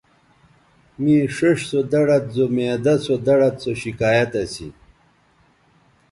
مے ݜیئݜ سو دڑد زو معدہ سو دڑد سو شکایت اسی